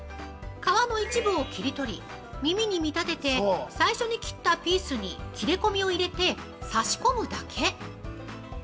皮の一部を切り取り、耳に見立てて最初に切ったピースに切れ込みを入れて、差し込むだけ。